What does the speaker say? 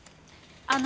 あの。